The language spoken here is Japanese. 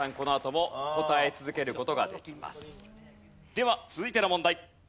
では続いての問題。